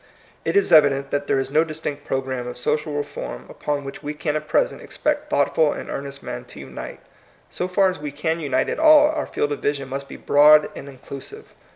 It is evident that there is no distinct program of social reform upon which we can at present expect thoughtful and ear nest men to unite. So far as we can unite at all, our field of vision must be broad and inclusive.